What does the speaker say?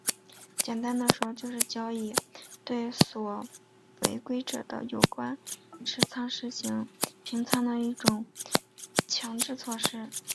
简单地说就是交易所对违规者的有关持仓实行平仓的一种强制措施。